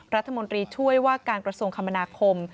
รัฐมนตรีช่วยว่าการกระทรวงคมนาคม